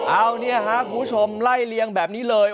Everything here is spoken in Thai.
เอาเนี่ยครับคุณผู้ชมไล่เลียงแบบนี้เลย